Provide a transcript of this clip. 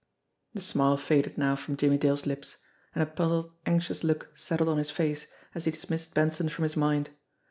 The smile faded now from Jimmie Dale's lips, and a puzzled, anxious look settled on his face as he dismissed Benson from his mind.